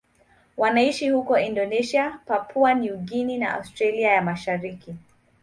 Wanaishi huko Indonesia, Papua New Guinea na Australia ya Mashariki.